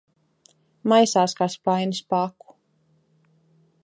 Maisās kā spainis pa aku.